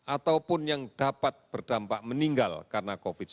ataupun yang dapat berdampak meninggal karena covid sembilan belas